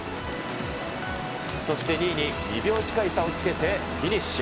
そして２位に２秒近い差をつけてフィニッシュ。